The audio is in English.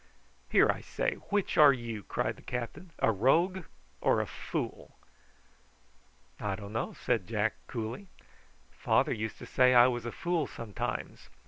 "Here, I say; which are you?" cried the captain; "a rogue or a fool?" "I d'know," said Jack coolly. "Father used to say I was a fool sometimes.